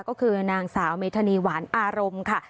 ก็คือนางสาวเมธานีหวานอารมณ์ค่ะ